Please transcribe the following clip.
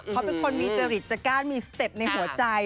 เขาเป็นคนมีจริตจะก้านมีสเต็ปในหัวใจ